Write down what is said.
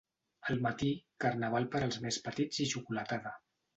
Al matí, carnaval per als més petits i xocolatada.